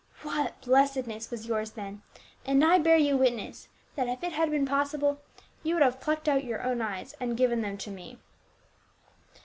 What blessedness was yours then ; and I bear you witness that if it had been pos sible, ^e would have plucked out your own eyes and given them to me."